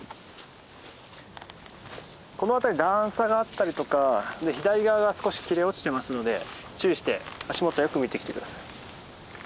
この辺り段差があったりとか左側が少し切れ落ちてますので注意して足元をよく見て来て下さい。